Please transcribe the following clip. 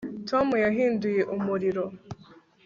Tom yahinduye umuriro